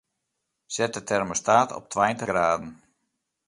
Set de termostaat op tweintich graden.